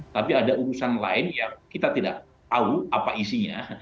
tapi ada urusan lain yang kita tidak tahu apa isinya